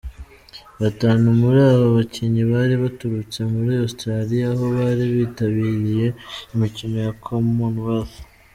Batanu muri aba bakinnyi bari baturutse muri Australia aho bari bitabiriye imikino ya Commonwealth.